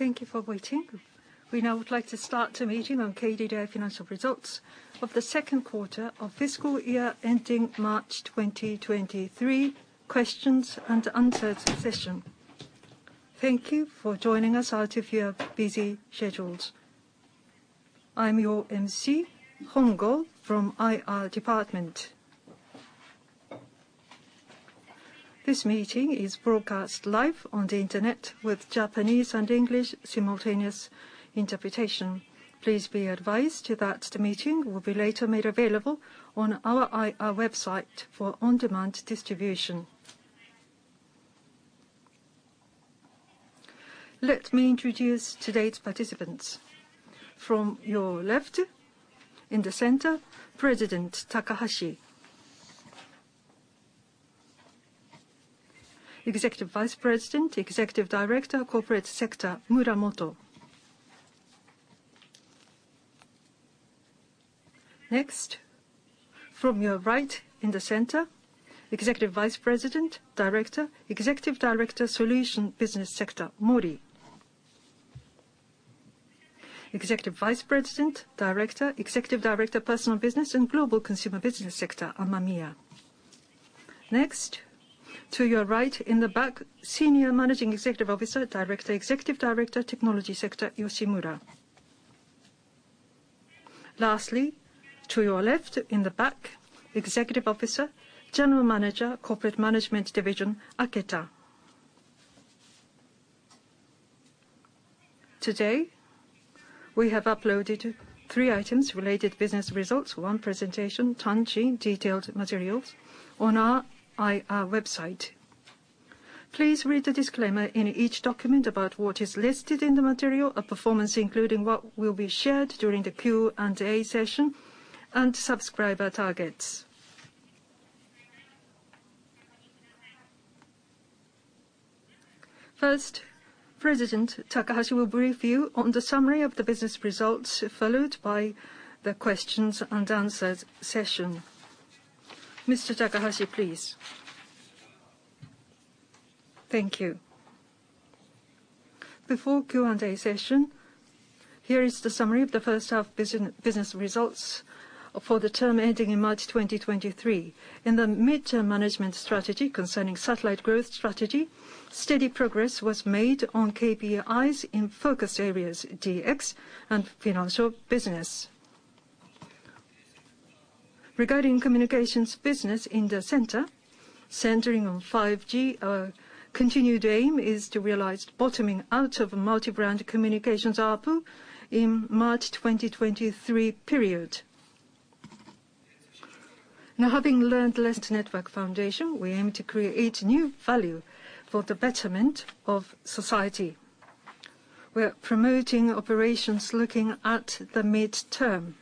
Thank you for waiting. We now would like to start the meeting on KDDI financial results of the second quarter of fiscal year ending March 2023, questions and answers session. Thank you for joining us out of your busy schedules. I am your emcee, Hongo from IR Department. This meeting is broadcast live on the internet with Japanese and English simultaneous interpretation. Please be advised that the meeting will be later made available on our IR website for on-demand distribution. Let me introduce today's participants. From your left, in the center, President Takahashi. Executive Vice President, Executive Director, Corporate Sector, Muramoto. Next, from your right, in the center, Executive Vice President, Director, Executive Director, Solution Business Sector, Mori. Executive Vice President, Director, Executive Director, Personal Business and Global Consumer Business Sector, Amamiya. Next, to your right, in the back, Senior Managing Executive Officer, Director, Executive Director, Technology Sector, Yoshimura. Lastly, to your left, in the back, Executive Officer, General Manager, Corporate Management Division, Aketa. Today, we have uploaded three items, related business results, one presentation, timing, detailed materials on our IR website. Please read the disclaimer in each document about what is listed in the material of performance, including what will be shared during the Q&A session and subscriber targets. First, President Takahashi will brief you on the summary of the business results, followed by the questions and answers session. Mr. Takahashi, please. Thank you. Before Q&A session, here is the summary of the first half business results for the term ending in March 2023. In the Mid-term Management Strategy concerning satellite growth strategy, steady progress was made on KPIs in focus areas, DX and financial business. Regarding communications business in the center, centering on 5G, our continued aim is to realize bottoming out of multi-brand communications ARPU in March 2023 period. Now, having learned lest network foundation, we aim to create new value for the betterment of society. We're promoting operations looking at the midterm. Thank you.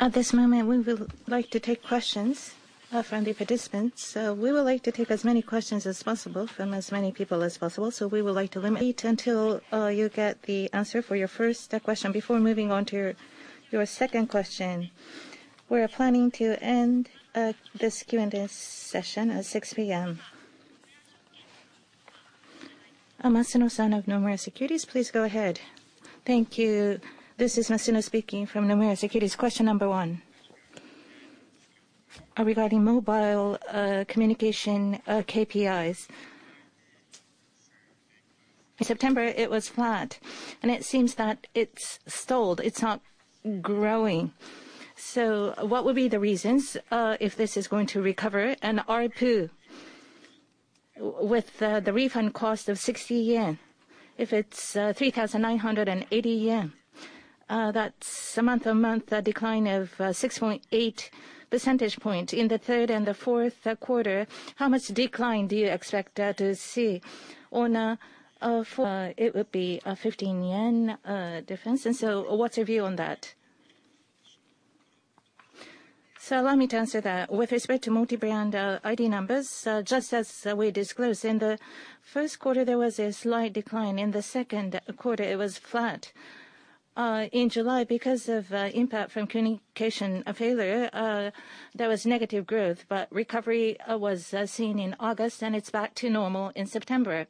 At this moment, we would like to take questions from the participants. We would like to take as many questions as possible from as many people as possible, so we would like to limit until you get the answer for your first question before moving on to your second question. We're planning to end this Q&A session at 6:00 P.M. Masuno-san of Nomura Securities, please go ahead. Thank you. This is Masuno speaking from Nomura Securities. Question number one regarding mobile communication KPIs. In September, it was flat, and it seems that it's stalled. It's not growing. What would be the reasons if this is going to recover? ARPU with the refund cost of 60 yen. If it's 3,980 yen, that's a month-on-month decline of 6.8 percentage point in the third and the fourth quarter. How much decline do you expect to see on. It would be a 15 yen difference. What's your view on that? Let me answer that. With respect to multi-brand ID numbers, just as we disclosed, in the first quarter, there was a slight decline. In the second quarter, it was flat. In July, because of impact from communication failure, there was negative growth, but recovery was seen in August, and it's back to normal in September.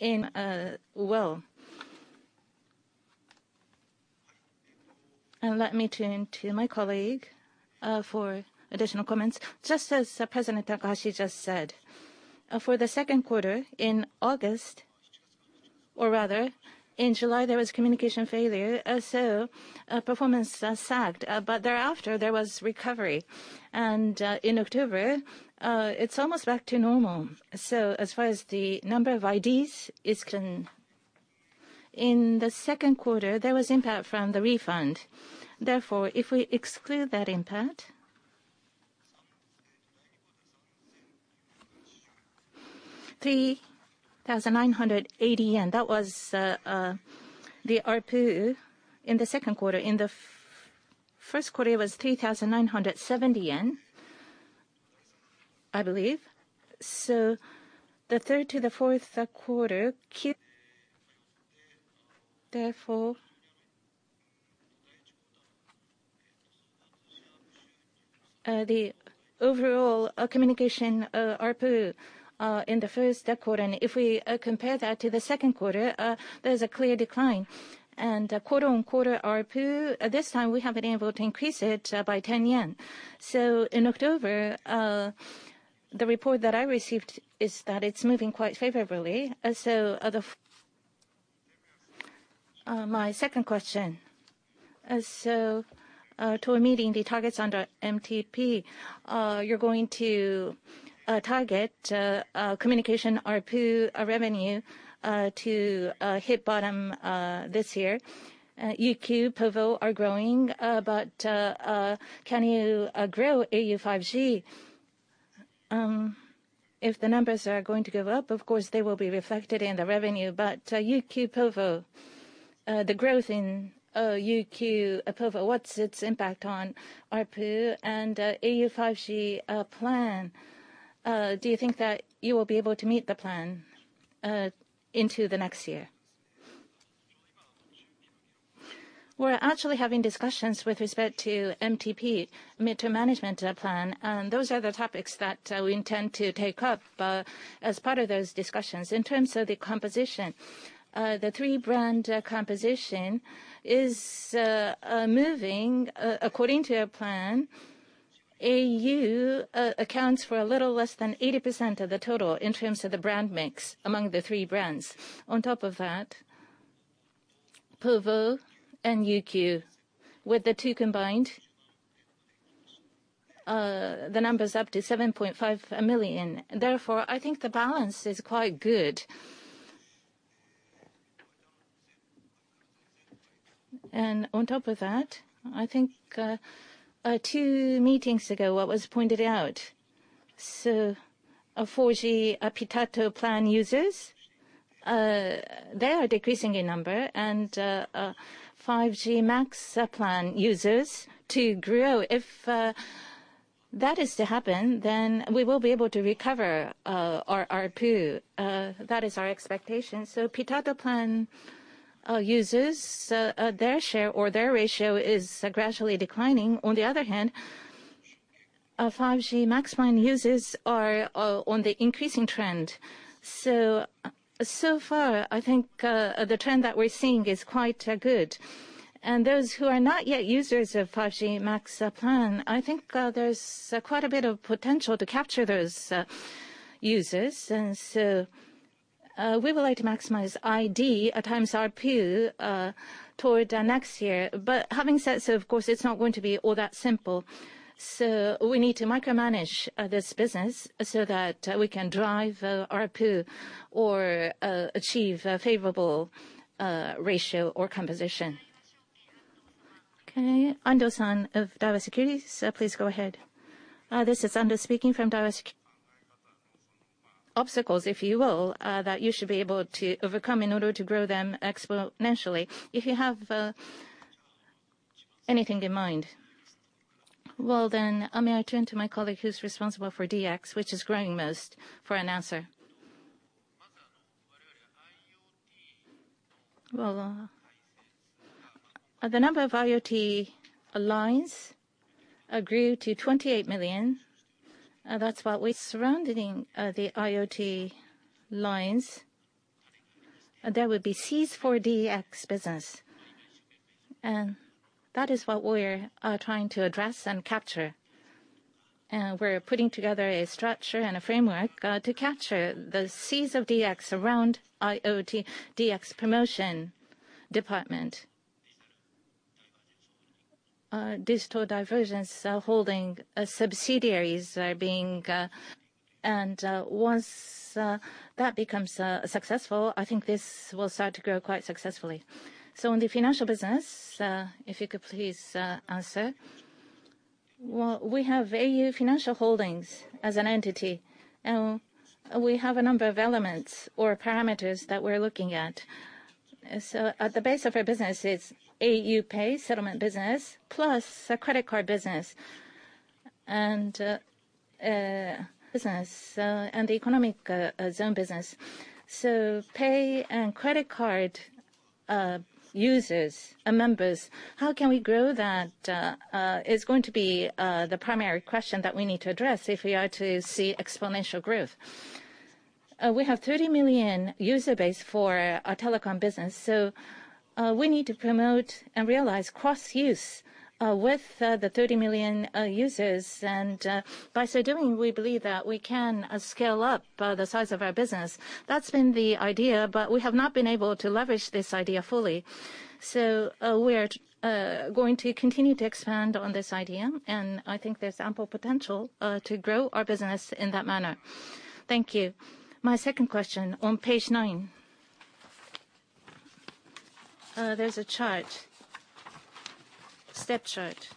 Let me turn to my colleague for additional comments. Just as President Takahashi just said, for the second quarter, in August, or rather, in July, there was communication failure, so performance sagged. Thereafter, there was recovery. In October, it's almost back to normal. As far as the number of IDs is concerned, in the second quarter, there was impact from the refund. Therefore, if we exclude that impact, 3,980 yen. That was the ARPU in the second quarter. In the first quarter, it was 3,970 yen. I believe. The third to the fourth quarter. The overall communication ARPU in the first quarter, and if we compare that to the second quarter, there's a clear decline. Quarter-on-quarter ARPU, this time we have been able to increase it by 10 yen. In October, the report that I received is that it's moving quite favorably. My second question. Toward meeting the targets under MTP, you're going to target communication ARPU revenue to hit bottom this year. UQ, povo are growing, but can you grow au 5G? If the numbers are going to go up, of course, they will be reflected in the revenue. UQ, povo, the growth in UQ, povo, what's its impact on ARPU and au 5G plan? Do you think that you will be able to meet the plan into the next year? We're actually having discussions with respect to MTP, Mid-term Management Plan. Those are the topics that we intend to take up as part of those discussions. In terms of the composition, the three-brand composition is moving according to a plan. au accounts for a little less than 80% of the total in terms of the brand mix among the three brands. On top of that, povo and UQ, with the two combined, the number's up to 7.5 million. Therefore, I think the balance is quite good. On top of that, I think, two meetings ago what was pointed out. 4G au Pitatto Plan users, they are decreasing in number. 5G Max Plan users to grow. If that is to happen, then we will be able to recover our ARPU. That is our expectation. au Pitatto Plan users, their share or their ratio is gradually declining. On the other hand, 5G MAX plan users are on the increasing trend. So far, I think the trend that we're seeing is quite good. Those who are not yet users of 5G MAX plan, I think there's quite a bit of potential to capture those users. We would like to maximize ID times ARPU toward next year. Having said so, of course, it's not going to be all that simple. We need to micromanage this business so that we can drive ARPU or achieve a favorable ratio or composition. Okay. Ando-san of Daiwa Securities, please go ahead. This is Ando speaking from Daiwa Securities. Obstacles, if you will, that you should be able to overcome in order to grow them exponentially. If you have anything in mind. May I turn to my colleague who's responsible for DX, which is growing most, for an answer. The number of IoT lines grew to 28 million. That's what we're surrounding the IoT lines. There would be seeds for DX business. That is what we're trying to address and capture. We're putting together a structure and a framework to capture the seeds of DX around IoT DX Promotion Department. Once that becomes successful, I think this will start to grow quite successfully. On the financial business, if you could please answer. We have au Financial Holdings as an entity. We have a number of elements or parameters that we're looking at. At the base of our business is au PAY settlement business, plus the credit card business, and the economic zone business. au PAY and credit card users and members, how can we grow that? Is going to be the primary question that we need to address if we are to see exponential growth. We have 30 million user base for our telecom business, so we need to promote and realize cross-use with the 30 million users. By so doing, we believe that we can scale up the size of our business. That's been the idea, but we have not been able to leverage this idea fully. We're going to continue to expand on this idea, and I think there's ample potential to grow our business in that manner. Thank you. My second question, on page nine. There's a chart, step chart.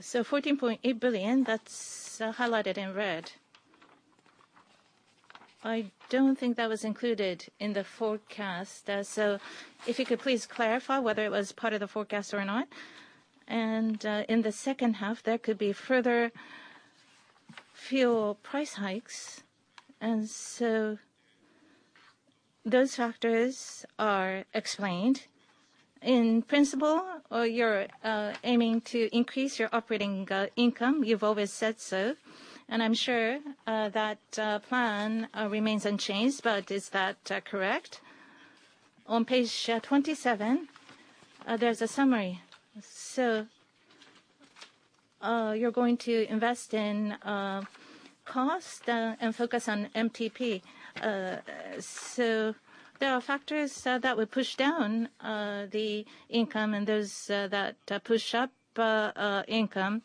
14.8 billion, that's highlighted in red. I don't think that was included in the forecast. If you could please clarify whether it was part of the forecast or not. In the second half, there could be further fuel price hikes, and those factors are explained. In principle, you're aiming to increase your operating income, you've always said so, and I'm sure that plan remains unchanged, but is that correct? On page 27, there's a summary. You're going to invest in cost and focus on MTP. There are factors that would push down the income and those that push up income.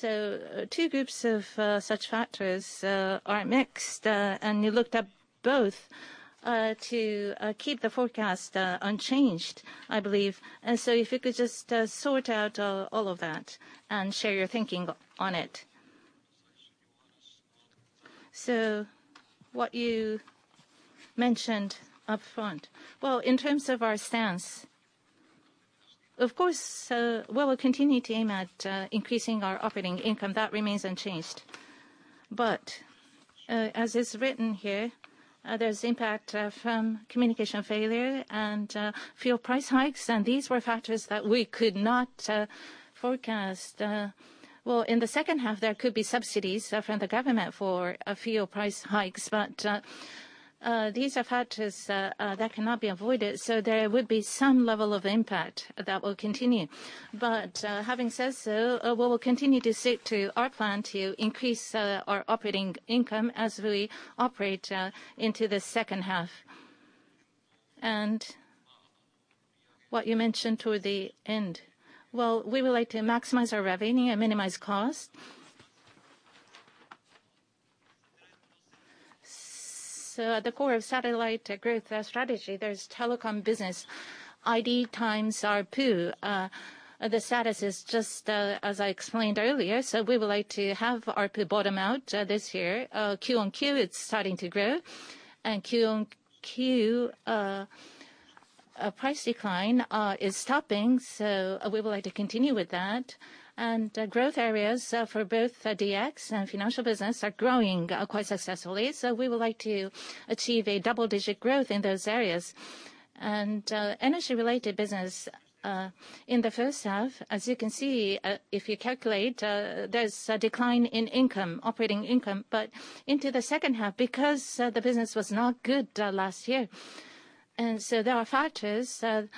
Two groups of such factors are mixed, and you looked at both to keep the forecast unchanged, I believe. If you could just sort out all of that and share your thinking on it. What you mentioned up front. In terms of our stance, of course, we will continue to aim at increasing our operating income. That remains unchanged. As is written here, there's impact from communication failure and fuel price hikes, and these were factors that we could not forecast. In the second half, there could be subsidies from the government for fuel price hikes, these are factors that cannot be avoided, there would be some level of impact that will continue. Having said so, we will continue to stick to our plan to increase our operating income as we operate into the second half. What you mentioned toward the end. We would like to maximize our revenue and minimize cost. At the core of satellite growth strategy, there's telecom business, ID times ARPU. The status is just as I explained earlier. We would like to have ARPU bottom out this year. Q on Q, it's starting to grow, Q on Q, price decline is stopping. We would like to continue with that. Growth areas for both DX and financial business are growing quite successfully. We would like to achieve a double-digit growth in those areas. Energy-related business, in the first half, as you can see, if you calculate, there's a decline in income, operating income. Into the second half, because the business was not good last year, there are factors that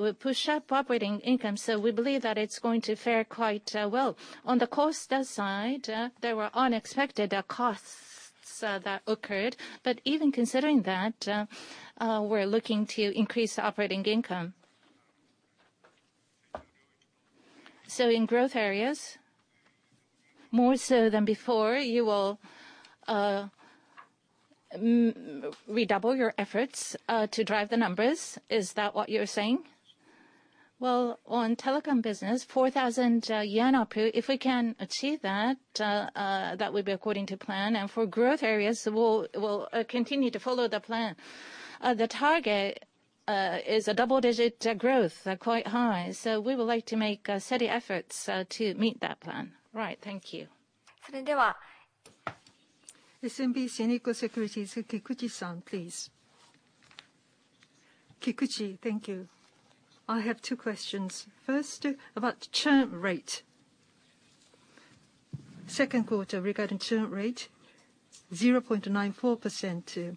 will push up operating income. We believe that it's going to fare quite well. On the cost side, there were unexpected costs that occurred. Even considering that, we're looking to increase operating income. In growth areas, more so than before, you will redouble your efforts to drive the numbers. Is that what you're saying? On telecom business, 4,000 yen ARPU, if we can achieve that would be according to plan. For growth areas, we'll continue to follow the plan. The target is a double-digit growth, quite high. We would like to make steady efforts to meet that plan. Right. Thank you. SMBC Nikko Securities, Kikuchi-san, please. Kikuchi, thank you. I have two questions. First, about churn rate. Second quarter, regarding churn rate, 0.94%.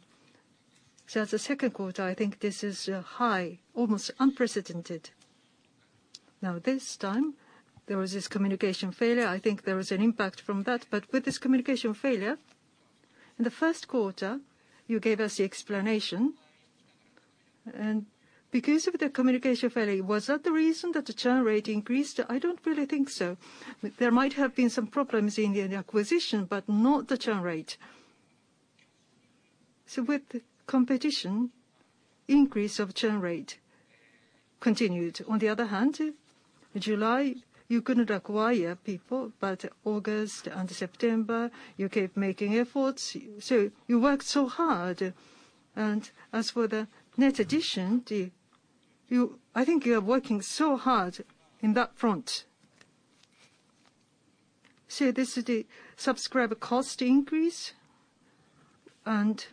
As a second quarter, I think this is high, almost unprecedented. This time, there was this communication failure. I think there was an impact from that. With this communication failure, in the first quarter, you gave us the explanation. Because of the communication failure, was that the reason that the churn rate increased? I don't really think so. There might have been some problems in the acquisition, not the churn rate. With competition, increase of churn rate continued. On the other hand, in July, you couldn't acquire people, August and September, you kept making efforts. You worked so hard. As for the net addition, I think you are working so hard in that front. This is the subscriber cost increase and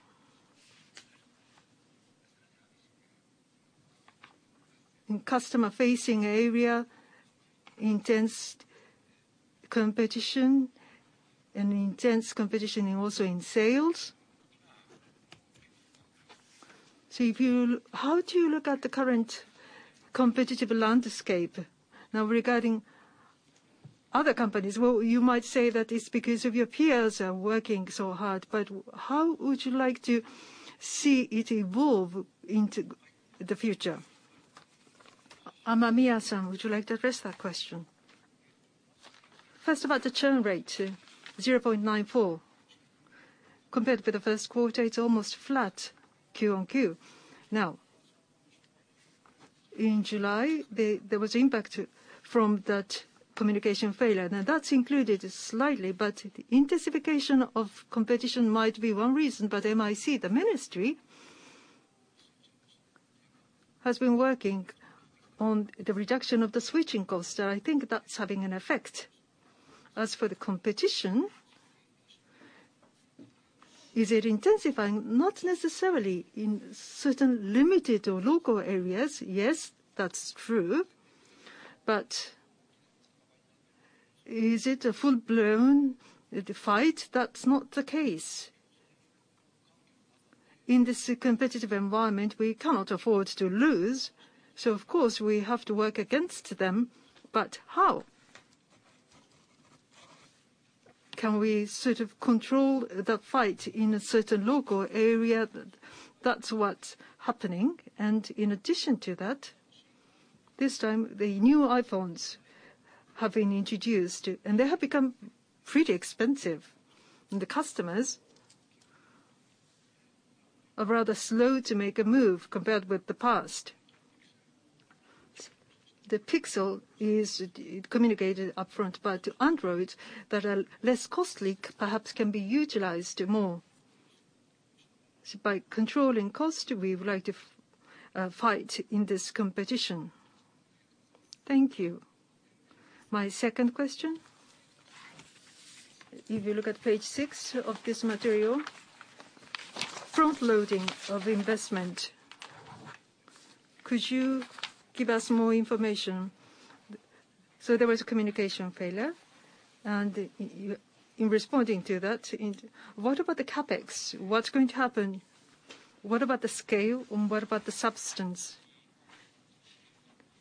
customer-facing area, intense competition, and intense competition also in sales. How do you look at the current competitive landscape now regarding other companies? You might say that it's because of your peers are working so hard, but how would you like to see it evolve into the future? Amamiya-san, would you like to address that question? First about the churn rate, 0.94. Compared with the first quarter, it's almost flat Q on Q. In July, there was impact from that communication failure. That's included slightly, but intensification of competition might be one reason. MIC, the Ministry, has been working on the reduction of the switching cost, I think that's having an effect. As for the competition, is it intensifying? Not necessarily. In certain limited or local areas, yes, that's true. Is it a full-blown fight? That's not the case. In this competitive environment, we cannot afford to lose, so of course we have to work against them, but how? Can we sort of control that fight in a certain local area? That's what's happening. In addition to that, this time, the new iPhones have been introduced, and they have become pretty expensive. The customers are rather slow to make a move compared with the past. The Pixel is communicated upfront by Android that are less costly, perhaps can be utilized more. By controlling cost, we would like to fight in this competition. Thank you. My second question, if you look at page six of this material, front loading of investment. Could you give us more information? There was a communication failure, and in responding to that, what about the CapEx? What's going to happen? What about the scale and what about the substance?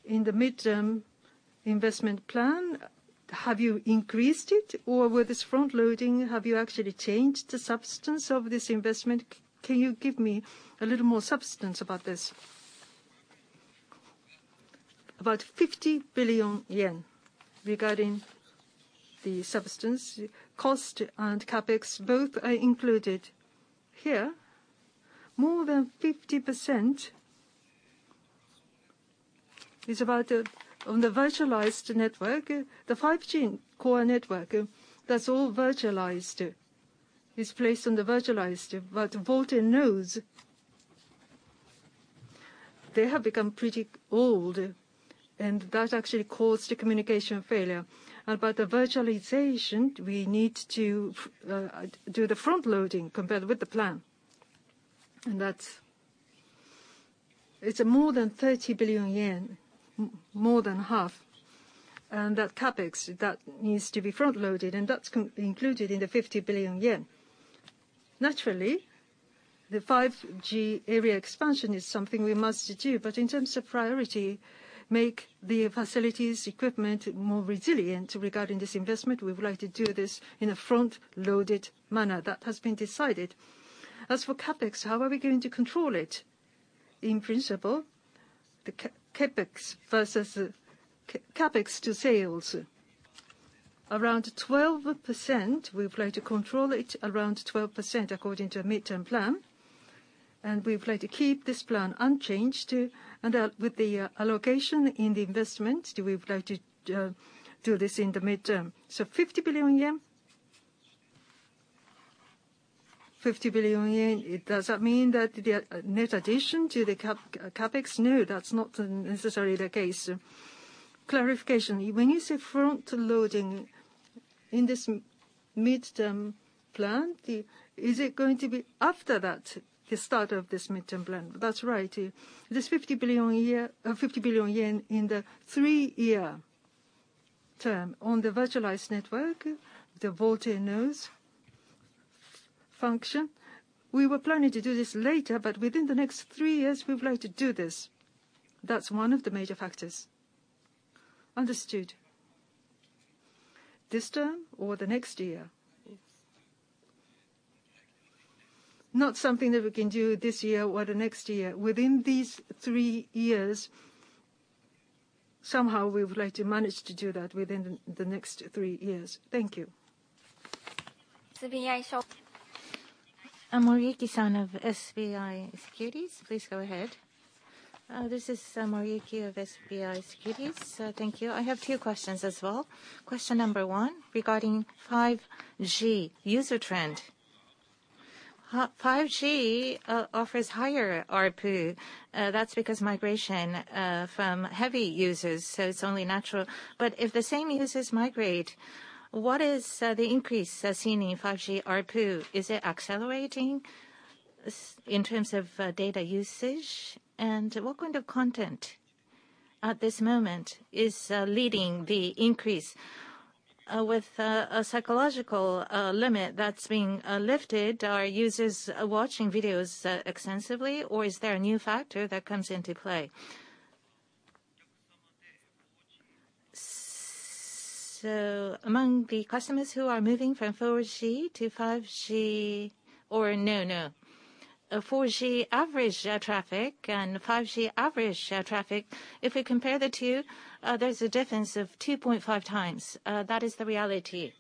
In the midterm investment plan, have you increased it or with this front loading, have you actually changed the substance of this investment? Can you give me a little more substance about this? About 50 billion yen. Regarding the substance, cost, and CapEx, both are included here. More than 50% is on the virtualized network. The 5G core network, that's all virtualized. It's placed on the virtualized, but VoLTE nodes, they have become pretty old, and that actually caused the communication failure. The virtualization, we need to do the front loading compared with the plan. It's more than 30 billion yen, more than half. That CapEx, that needs to be front loaded, and that's included in the 50 billion yen. Naturally, the 5G area expansion is something we must do, but in terms of priority, make the facilities, equipment more resilient. Regarding this investment, we would like to do this in a front-loaded manner. That has been decided. As for CapEx, how are we going to control it? In principle, the CapEx to sales, around 12%. We would like to control it around 12% according to a Mid-term Plan, and we would like to keep this plan unchanged. With the allocation in the investment, we would like to do this in the midterm. 50 billion yen. 50 billion yen. Does that mean that net addition to the CapEx? No, that's not necessarily the case. Clarification. When you say front loading in this Mid-term Plan, is it going to be after that, the start of this Mid-term Plan? That's right. This 50 billion yen in the three-year term on the virtualized network, the VoLTE nodes function, we were planning to do this later, but within the next three years, we would like to do this. That's one of the major factors. Understood. This term or the next year? Yes. Not something that we can do this year or the next year. Within these three years, somehow we would like to manage to do that within the next three years. Thank you. SBI SECURITIES. Moriki-san of SBI SECURITIES, please go ahead. This is Moriki of SBI SECURITIES. Thank you. I have two questions as well. Question number 1, regarding 5G user trend. 5G offers higher ARPU. That's because migration from heavy users, so it's only natural. If the same users migrate, what is the increase seen in 5G ARPU? Is it accelerating in terms of data usage? What kind of content at this moment is leading the increase? With a psychological limit that's being lifted, are users watching videos extensively, or is there a new factor that comes into play? Among the customers who are moving from 4G to 5G or no. 4G average traffic and 5G average traffic, if we compare the two, there's a difference of 2.5 times. That is the reality.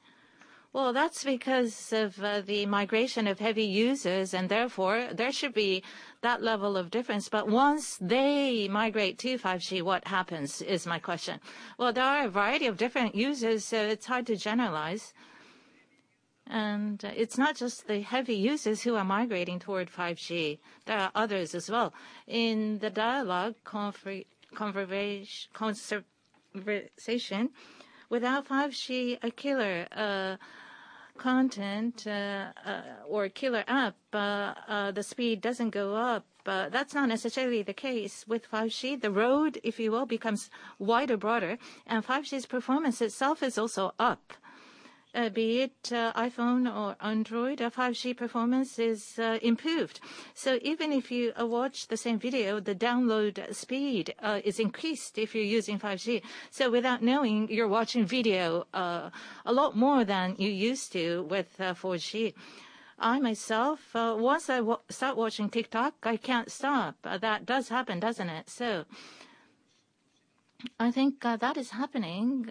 That's because of the migration of heavy users, there should be that level of difference. Once they migrate to 5G, what happens is my question. There are a variety of different users. It's hard to generalize. It's not just the heavy users who are migrating toward 5G. There are others as well. In the dialogue conversation, without 5G, a killer content or killer app, the speed doesn't go up. That's not necessarily the case with 5G. The road, if you will, becomes wider, broader, 5G's performance itself is also up. Be it iPhone or Android, 5G performance is improved. Even if you watch the same video, the download speed is increased if you're using 5G. Without knowing, you're watching video a lot more than you used to with 4G. I myself, once I start watching TikTok, I can't stop. That does happen, doesn't it? I think that is happening,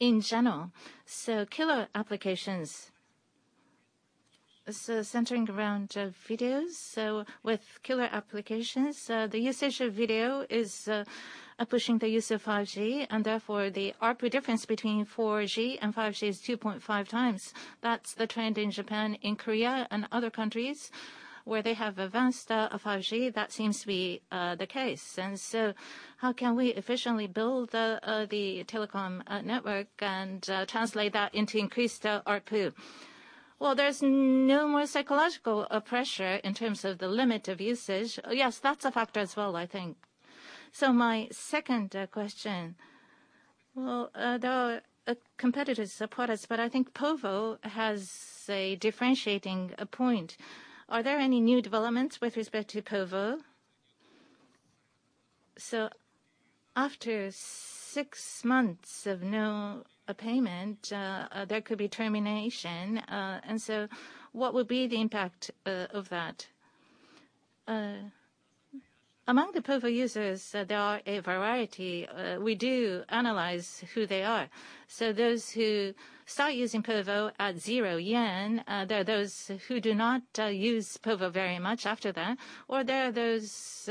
in general. Killer applications, centering around videos. With killer applications, the usage of video is pushing the use of 5G, the ARPU difference between 4G and 5G is 2.5 times. That's the trend in Japan, in Korea, and other countries where they have advanced 5G. That seems to be the case. How can we efficiently build the telecom network and translate that into increased ARPU? There's no more psychological pressure in terms of the limit of usage. Yes, that's a factor as well, I think. My second question. There are competitive supporters, I think Povo has a differentiating point. Are there any new developments with respect to Povo? After six months of no payment, there could be termination. What would be the impact of that? Among the Povo users, there are a variety. We do analyze who they are. Those who start using Povo at zero JPY, there are those who do not use Povo very much after that, or there are those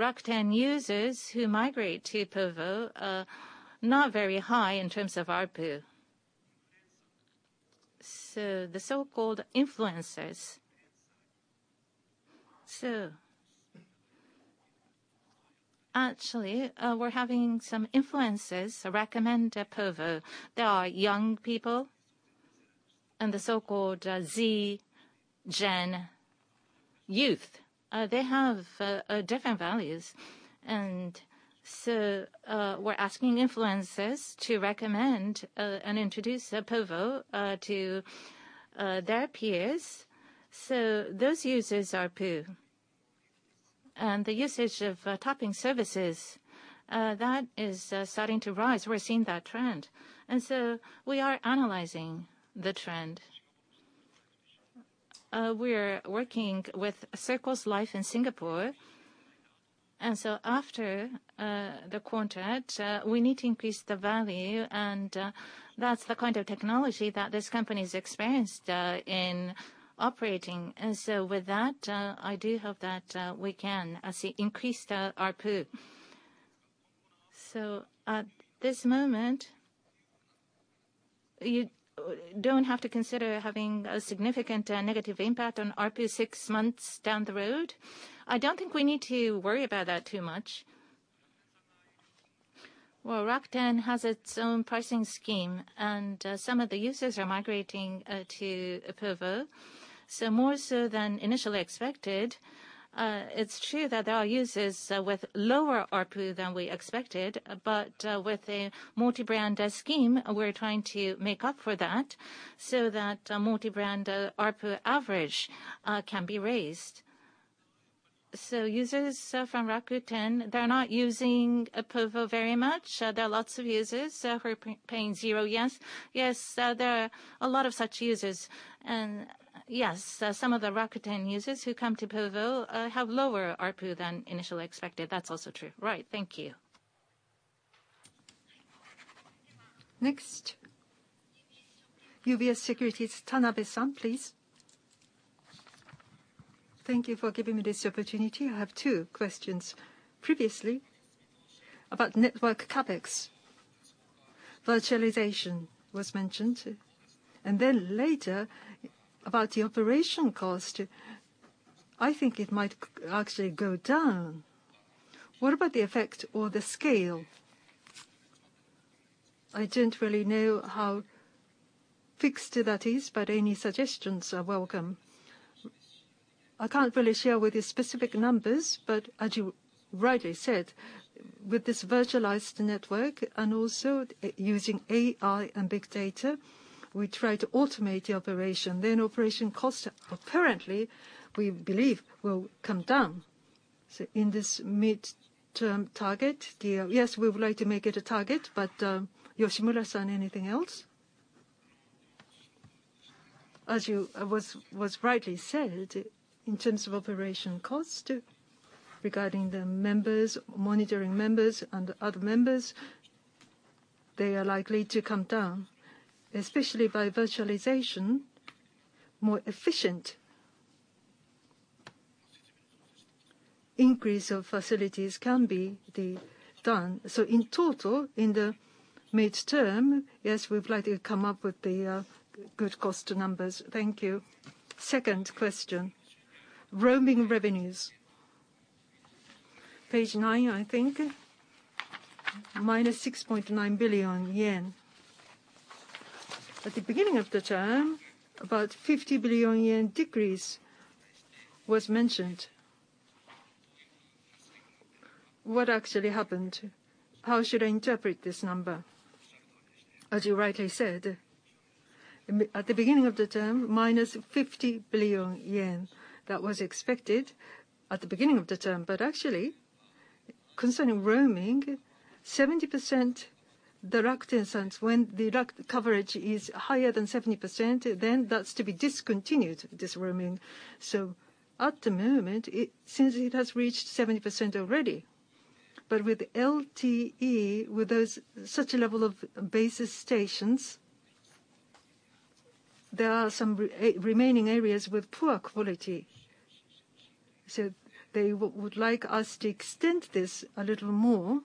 Rakuten users who migrate to Povo, not very high in terms of ARPU. The so-called influencers. We're having some influencers recommend Povo. There are young people and the so-called Gen Z youth. They have different values. We're asking influencers to recommend and introduce Povo to their peers. Those users ARPU. The usage of topping services, that is starting to rise. We're seeing that trend. We are analyzing the trend. We're working with Circles.Life in Singapore. After the contract, we need to increase the value, that's the kind of technology that this company is experienced in operating. With that, I do hope that we can see increased ARPU. At this moment, you don't have to consider having a significant negative impact on ARPU six months down the road. I don't think we need to worry about that too much. Rakuten has its own pricing scheme, some of the users are migrating to Povo, more so than initially expected. It's true that there are users with lower ARPU than we expected, with a multi-brand scheme, we're trying to make up for that so that multi-brand ARPU average can be raised. Users from Rakuten, they're not using Povo very much. There are lots of users who are paying zero JPY. Yes. There are a lot of such users. Some of the Rakuten users who come to Povo have lower ARPU than initially expected. That's also true. Right. Thank you. Next, UBS Securities, Keiichi-san, please. Thank you for giving me this opportunity. I have two questions. Previously, about network CapEx, virtualization was mentioned. Later about the operation cost, I think it might actually go down. What about the effect or the scale? I don't really know how fixed that is. Any suggestions are welcome. I can't really share with you specific numbers. As you rightly said, with this virtualized network and also using AI and big data, we try to automate the operation. Operation cost, apparently, we believe, will come down. In this mid-term target, yes, we would like to make it a target. Yoshimura-san, anything else? As you rightly said, in terms of operation cost, regarding the members, monitoring members and other members, they are likely to come down. Especially by virtualization, more efficient increase of facilities can be done. In total, in the mid-term, yes, we would like to come up with the good cost numbers. Thank you. Second question, roaming revenues. Page nine, I think. Minus 6.9 billion yen. At the beginning of the term, about 50 billion yen decrease was mentioned. What actually happened? How should I interpret this number? As you rightly said, at the beginning of the term, minus 50 billion yen, that was expected at the beginning of the term. Actually, concerning roaming, 70% the Rakuten's, when the Rakuten coverage is higher than 70%, that's to be discontinued, this roaming. At the moment, since it has reached 70% already, with LTE, with such a level of base stations, there are some remaining areas with poor quality. They would like us to extend this a little more,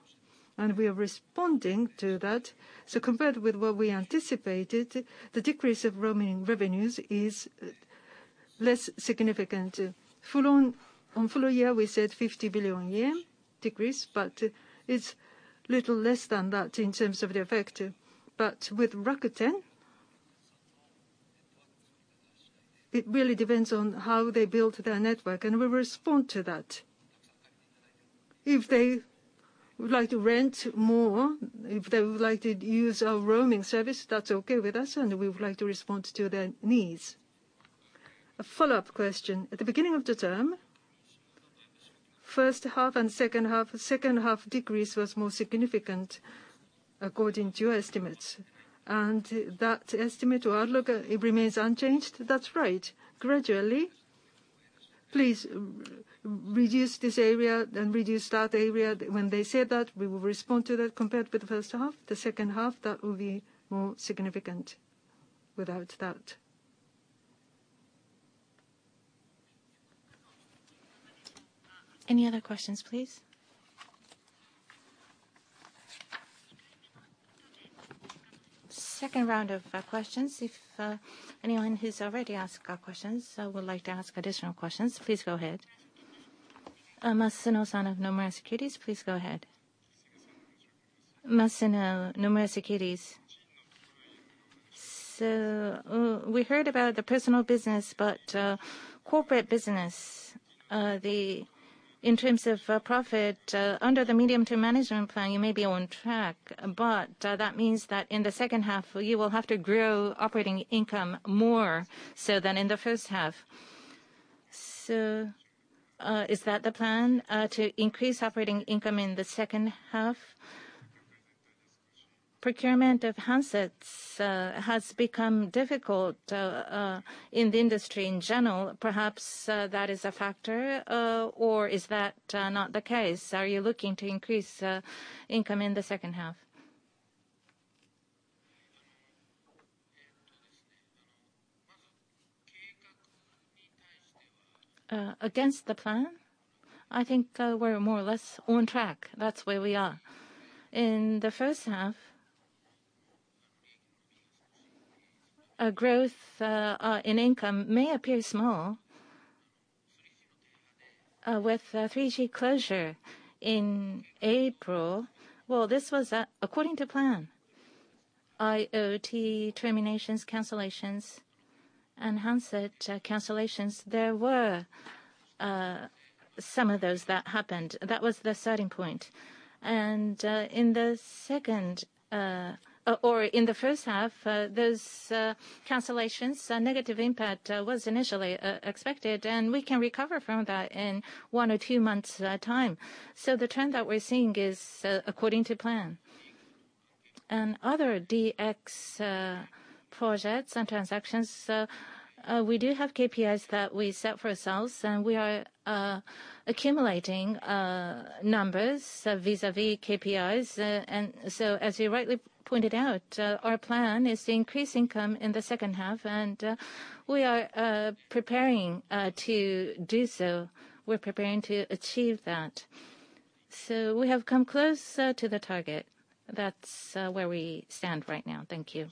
and we are responding to that. Compared with what we anticipated, the decrease of roaming revenues is less significant. On full year, we said 50 billion yen decrease, it's little less than that in terms of the effect. With Rakuten, it really depends on how they build their network, and we'll respond to that. If they would like to rent more, if they would like to use our roaming service, that's okay with us, and we would like to respond to their needs. A follow-up question. At the beginning of the term, first half and second half, second half decrease was more significant according to your estimates. That estimate or outlook, it remains unchanged? That's right. Gradually, "Please reduce this area, then reduce that area," when they say that, we will respond to that. Compared with the first half, the second half, that will be more significant, without doubt. Any other questions, please? Second round of questions. If anyone who's already asked questions would like to ask additional questions, please go ahead. Masuno-san of Nomura Securities, please go ahead. Masuno, Nomura Securities. We heard about the personal business, corporate business, in terms of profit, under the Mid-term Management Plan, you may be on track. That means that in the second half, you will have to grow operating income more so than in the first half. Is that the plan, to increase operating income in the second half? Procurement of handsets has become difficult in the industry in general. Perhaps that is a factor, or is that not the case? Are you looking to increase income in the second half? Against the plan, I think we're more or less on track. That's where we are. In the first half, a growth in income may appear small. With 3G closure in April, well, this was according to plan. IoT terminations, cancellations, and handset cancellations, there were some of those that happened. That was the starting point. In the first half, those cancellations, negative impact was initially expected, and we can recover from that in one or two months' time. The trend that we're seeing is according to plan. Other DX projects and transactions, we do have KPIs that we set for ourselves, and we are accumulating numbers vis-à-vis KPIs. As you rightly pointed out, our plan is to increase income in the second half, and we are preparing to do so. We're preparing to achieve that. We have come closer to the target. That's where we stand right now. Thank you.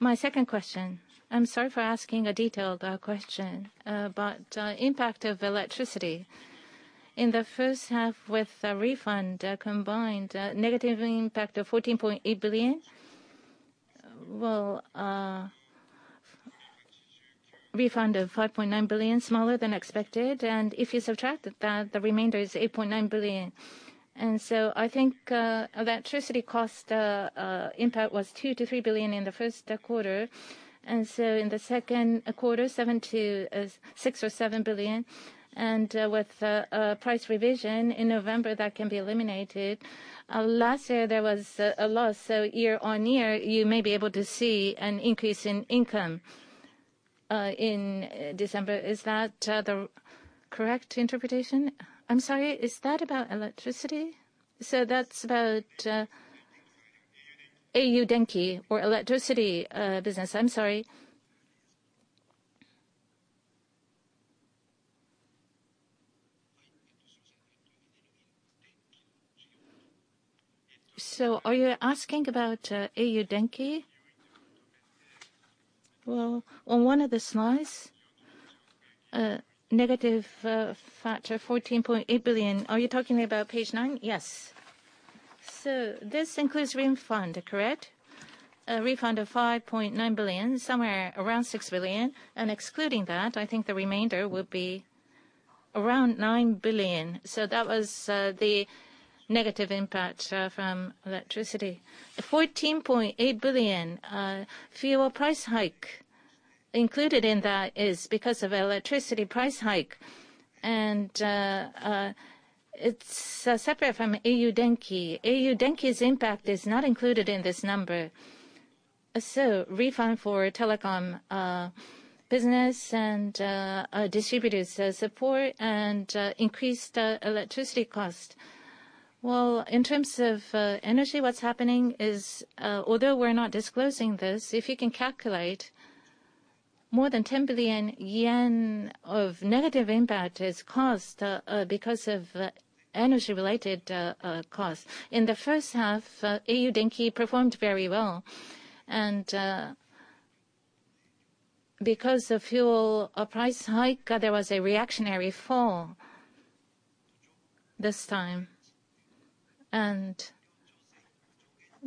My second question, I'm sorry for asking a detailed question, impact of electricity. In the first half with the refund combined, negative impact of 14.8 billion. Refund of 5.9 billion, smaller than expected. If you subtract that, the remainder is 8.9 billion. I think electricity cost impact was 2 billion to 3 billion in the first quarter. In the second quarter, 6 billion or 7 billion. With price revision in November, that can be eliminated. Last year, there was a loss. Year-on-year, you may be able to see an increase in income. In December. Is that the correct interpretation? I'm sorry, is that about electricity? That's about au Denki or electricity business? I'm sorry. Are you asking about au Denki? On one of the slides, negative factor 14.8 billion. Are you talking about page nine? Yes. This includes refund, correct? A refund of 5.9 billion, somewhere around 6 billion. Excluding that, I think the remainder will be around 9 billion. That was the negative impact from electricity. The 14.8 billion fuel price hike included in that is because of electricity price hike, and it's separate from au Denki. au Denki's impact is not included in this number. Refund for telecom business and distributors support and increased electricity cost. In terms of energy, what's happening is, although we're not disclosing this, if you can calculate more than 10 billion yen of negative impact is caused because of energy-related costs. In the first half, au Denki performed very well, because of fuel price hike, there was a reactionary fall this time.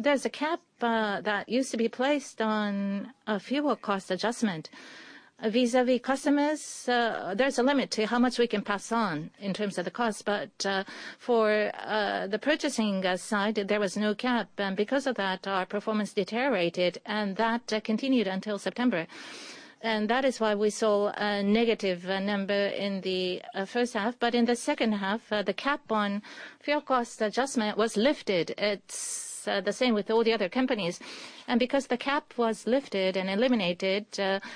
There's a cap that used to be placed on a fuel cost adjustment vis-à-vis customers. There's a limit to how much we can pass on in terms of the cost, for the purchasing side, there was no cap. Because of that, our performance deteriorated, that continued until September. That is why we saw a negative number in the first half. In the second half, the cap on fuel cost adjustment was lifted. It's the same with all the other companies. Because the cap was lifted and eliminated,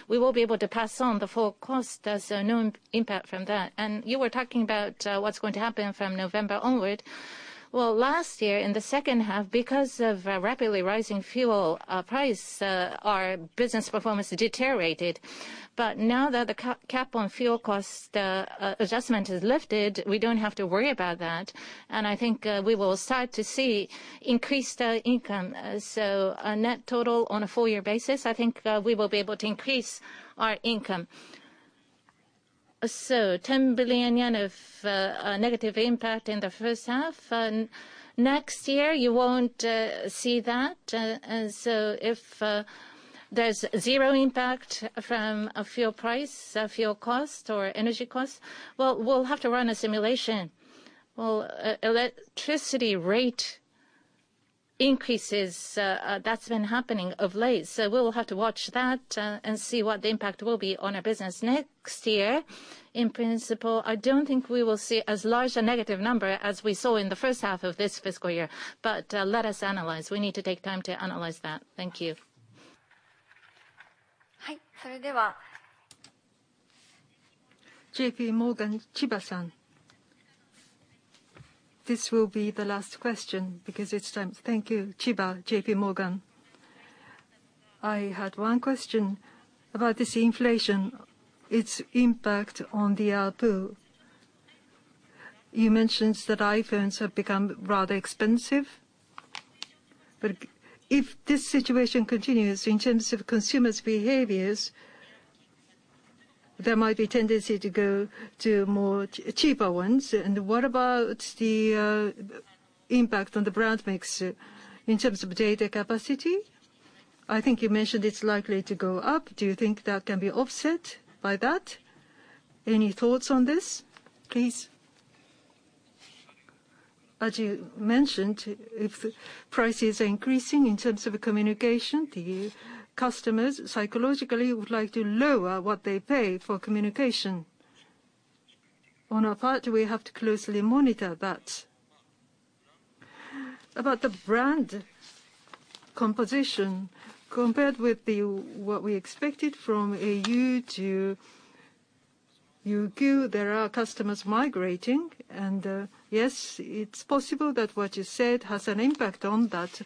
we will be able to pass on the full cost. There's no impact from that. You were talking about what's going to happen from November onward. Last year, in the second half, because of rapidly rising fuel price, our business performance deteriorated. Now that the cap on fuel cost adjustment is lifted, we don't have to worry about that. I think we will start to see increased income. A net total on a full year basis, I think we will be able to increase our income. 10 billion yen of negative impact in the first half. Next year, you won't see that. If there's zero impact from a fuel price, a fuel cost, or energy cost, we'll have to run a simulation. Electricity rate increases, that's been happening of late, so we'll have to watch that and see what the impact will be on our business next year. In principle, I don't think we will see as large a negative number as we saw in the first half of this fiscal year, let us analyze. We need to take time to analyze that. Thank you. J.P. Morgan, Junya-san. This will be the last question because it's time. Thank you. Junya, J.P. Morgan. I had one question about this inflation, its impact on the ARPU. You mentioned that iPhones have become rather expensive. If this situation continues in terms of consumers' behaviors, there might be tendency to go to more cheaper ones. What about the impact on the brand mix in terms of data capacity? I think you mentioned it's likely to go up. Do you think that can be offset by that? Any thoughts on this, please? As you mentioned, if prices are increasing in terms of communication, the customers psychologically would like to lower what they pay for communication. On our part, we have to closely monitor that. About the brand composition, compared with what we expected from au to UQ mobile, there are customers migrating. Yes, it's possible that what you said has an impact on that.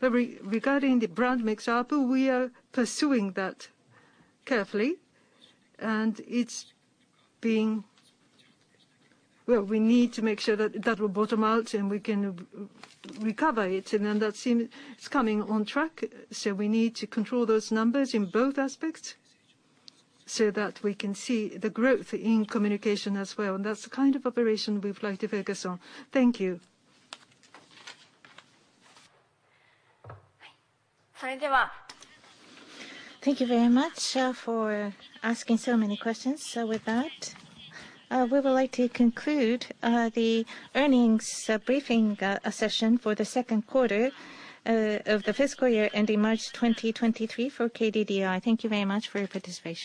Regarding the brand mix ARPU, we are pursuing that carefully, and it's being, we need to make sure that will bottom out and we can recover it, and that seems coming on track. We need to control those numbers in both aspects so that we can see the growth in communication as well. That's the kind of operation we'd like to focus on. Thank you. Thank you very much for asking so many questions. With that, we would like to conclude the earnings briefing session for the second quarter of the fiscal year ending March 2023 for KDDI. Thank you very much for your participation.